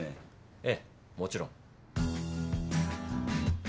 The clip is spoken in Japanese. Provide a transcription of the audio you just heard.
ええもちろん。